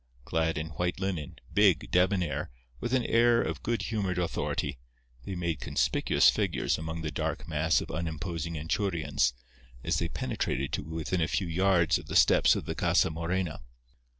Clad in white linen, big, debonair, with an air of good humoured authority, they made conspicuous figures among the dark mass of unimposing Anchurians, as they penetrated to within a few yards of the steps of the Casa Morena.